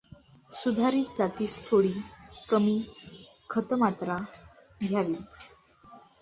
सुधारित जातीस थोडी कमी खतमात्रा द्यावी.